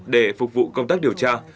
để phục vụ công tác điều tra